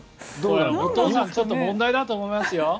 お父さんちょっと問題だと思いますよ。